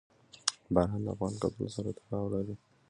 باران د افغان کلتور سره تړاو لري.